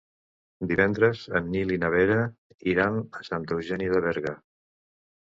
Divendres en Nil i na Vera iran a Santa Eugènia de Berga.